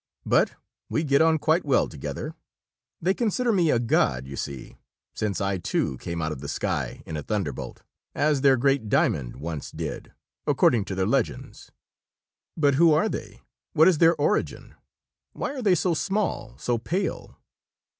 "But we get on quite well together. They consider me a god, you see, since I, too, came out of the sky in a thunderbolt, as their great diamond once did, according to their legends." "But who are they? What is their origin? Why are they so small, so pale?"